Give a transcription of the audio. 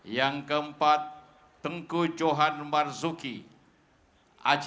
yang ke empat tengku johan marzuki acchay